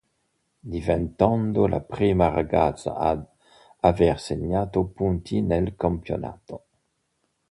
Diventando la prima ragazza ad aver segnato punti nel Campionato.